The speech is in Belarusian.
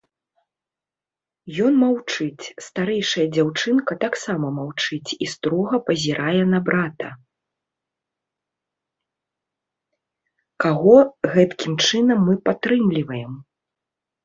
Каго гэткім чынам мы падтрымліваем?